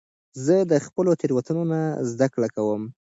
زه د خپلو تیروتنو نه زده کړه کوم.